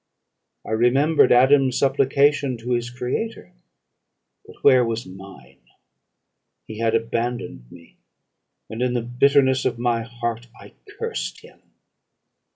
I remembered Adam's supplication to his Creator. But where was mine? He had abandoned me and, in the bitterness of my heart, I cursed him.